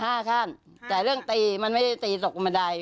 ห้าขั้นแต่เรื่องตีมันไม่ได้ตีตกบันได